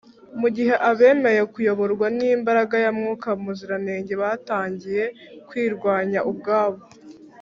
mu gihe abemeye kuyoborwa n’imbaraga ya mwuka muziranenge batangira kwirwanya ubwabo